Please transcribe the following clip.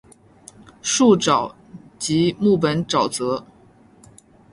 树沼即木本沼泽。